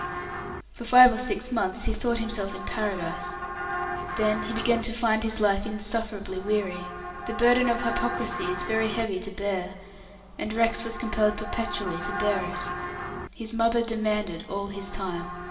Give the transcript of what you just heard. For five or six months he thought himself in Paradise. Then he began to find his life insufferably weary. The burden of hypocrisy is very heavy to bear, and Rex was compelled perpetually to bear it. His mother demanded all his time.